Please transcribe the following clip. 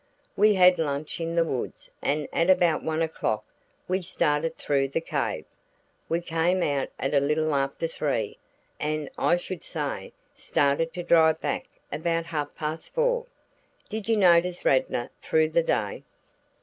We had lunch in the woods and at about one o'clock we started through the cave. We came out at a little after three, and, I should say, started to drive back about half past four." "Did you notice Radnor through the day?"